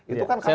itu kan kasar